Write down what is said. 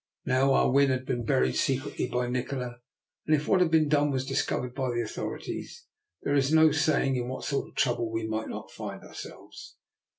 Now Ah Win had been buried secretly by Nikola, and if what had been done was discovered by the authorities, there is no saying in what sort of trouble we might not find ourselves.